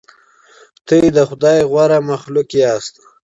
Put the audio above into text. تاسې د خدای غوره مخلوق یاست.